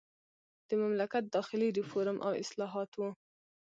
د مملکت داخلي ریفورم او اصلاحات وو.